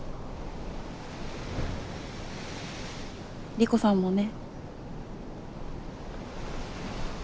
理子さんもね。